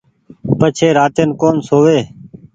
پڇي راتين ڪون سووي